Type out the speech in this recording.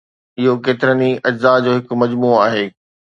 اهو ڪيترن ئي اجزاء جو هڪ مجموعو آهي.